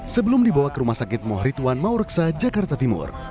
sebelum dibawa ke rumah sakit moh ridwan mauriksa jakarta timur